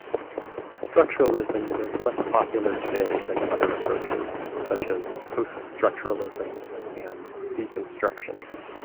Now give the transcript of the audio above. Structuralism is less popular today than other approaches, such as post-structuralism and deconstruction.